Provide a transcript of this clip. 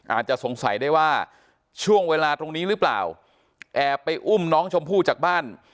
อาจจะสงสัยได้ว่าช่วงเวลาตรงนี้หรือเปล่าแอบไปอุ้มน้องชมพู่จากบ้าน